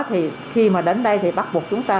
thì khi mà đến đây thì bắt buộc chúng ta